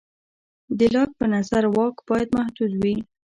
د لاک په نظر واک باید محدود وي.